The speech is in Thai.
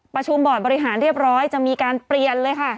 บอร์ดบริหารเรียบร้อยจะมีการเปลี่ยนเลยค่ะ